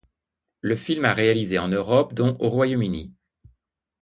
Le film a réalisé en Europe dont au Royaume-Uni.